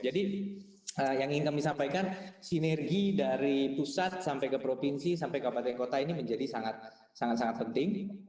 jadi yang ingin kami sampaikan sinergi dari pusat sampai ke provinsi sampai ke kabupaten kota ini menjadi sangat sangat penting